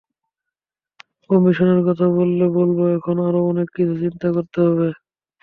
কম্বিনেশনের কথা বললে বলব এখনো আরও অনেক কিছু চিন্তা করতে হবে।